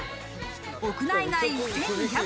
屋内外１２００